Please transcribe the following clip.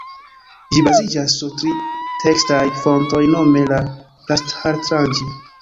Ĝi baziĝas sur tri tekstaj fontoj nome la "Prasthanatraĝi".